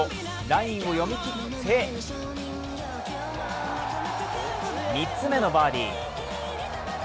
ラインを読み切って３つ目のバーディー。